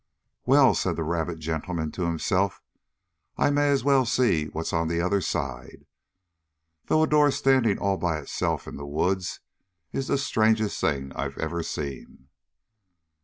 "Well," said the rabbit gentleman to himself, "I may as well see what's on the other side. Though a door standing all by itself in the woods is the strangest thing I've ever seen."